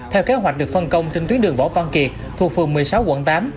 theo kế hoạch được phân công trên tuyến đường võ văn kiệt thuộc phường một mươi sáu quận tám